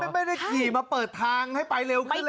ไม่ได้ขี่มาเปิดทางให้ไปเร็วขึ้นเลย